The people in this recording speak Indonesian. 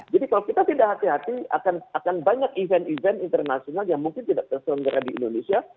jadi kalau kita tidak hati hati akan banyak event event internasional yang mungkin tidak terselenggarai di indonesia